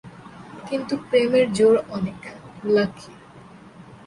কিন্তু প্রেমের জোর অনেক, লাকি।